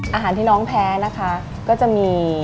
อาหารที่น้องแพ้นะคะก็จะมี